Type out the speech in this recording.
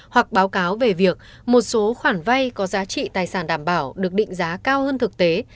hoặc báo cáo về việc một số khoản vay có giá trị tài sản đảm bảo được định giá cao hơn thực tế